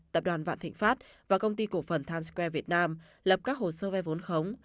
tập đoàn vạn thịnh pháp và công ty cổ phần times square việt nam lập các hồ sơ vay vốn khống